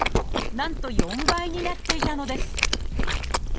なんと４倍になっていたのです。